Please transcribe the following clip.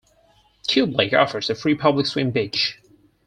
Cub Lake offers a free public swim beach.